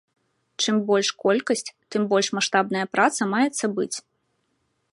Чым больш колькасць, тым больш маштабная праца маецца быць.